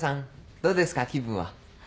どうですか気分は？